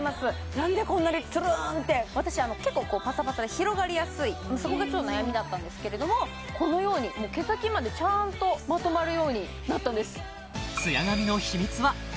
なんでこんなにツルンって私結構パサパサで広がりやすいそこが超悩みだったんですけれどこのように毛先までちゃんとまとまるようになったんです